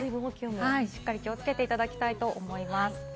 しっかり気をつけていただきたいと思います。